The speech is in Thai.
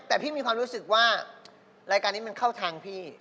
แต่พี่มีความรู้สึกว่ารายการนี้มันเข้าทางพี่